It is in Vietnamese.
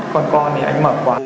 còn con thì anh ấy mở cửa